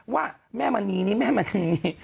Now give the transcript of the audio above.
ว่าแม่มณีนี่แม่มณี